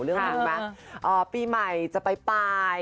เรื่องหนึ่งนะอ่าปีใหม่จะไปปลาย